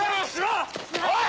おい！